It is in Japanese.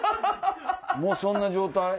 もうそんな状態？